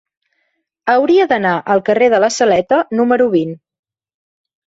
Hauria d'anar al carrer de la Saleta número vint.